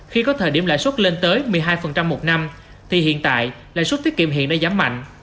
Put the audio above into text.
khi có thời điểm lãi suất lên tới một mươi hai một năm thì hiện tại lãi suất tiết kiệm hiện đã giảm mạnh